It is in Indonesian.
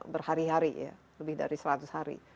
berhari hari ya lebih dari seratus hari